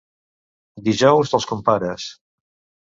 Dijous dels compares.